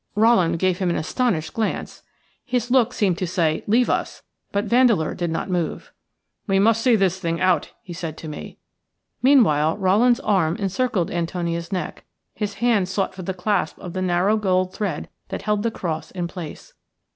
Rowland gave him an astonished glance. His look seemed to say, "Leave us," but Vandeleur did not move. "We must see this thing out," he said to me. Meanwhile Rowland's arm encircled Antonia's neck, and his hand sought for the clasp of the narrow gold thread that held the cross in place.